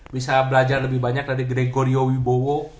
bisa belajar lebih banyak dari gregorio wibowo